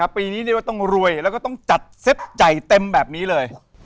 ปีนี้เรียกว่าต้องรวยแล้วก็ต้องจัดเซตใหญ่เต็มแบบนี้เลย